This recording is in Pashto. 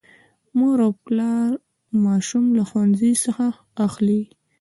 مور او پلا ماشوم له ښوونځي څخه اخلي.